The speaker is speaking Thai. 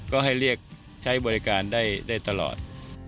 ก็ให้เรียกใช้บริการได้ตลอด